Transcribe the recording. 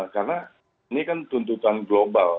karena ini kan tuntutan global